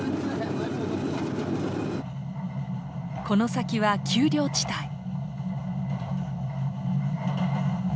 この先は丘陵地帯。